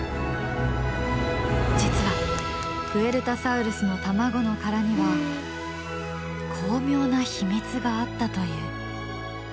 実はプエルタサウルスの卵の殻には巧妙な秘密があったという。